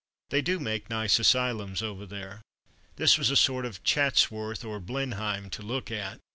They do make nice asylums over there. This was a sort of Chatsworth or Blenheim to look at.